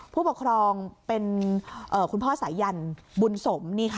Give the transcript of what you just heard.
ผู้ปกครองเป็นคุณพ่อสายันบุญสม